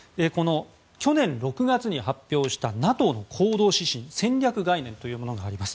去年６月に発表したＮＡＴＯの行動指針戦略概念というものがあります。